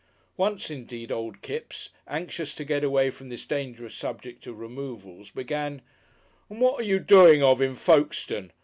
Once indeed old Kipps, anxious to get away from this dangerous subject of removals, began: "And what are you a doin' of in Folkestone?